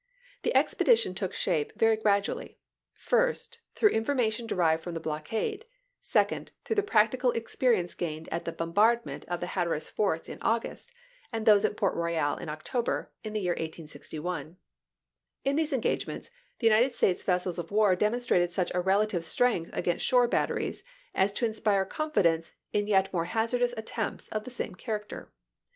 The expedition took shape very gradually ; first, through information derived from the blockade ; second, through the practical experi ence gained at the bombardment of the Hatteras forts in August, and those at Port Royal in October, of the year 1861. In these engagements the United States vessels of war demonstrated such a relative strength against shore batteries as to inspire con fidence in yet more hazardous attempts of the same character.